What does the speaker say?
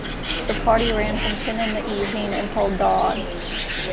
The party ran from ten in the evening until dawn.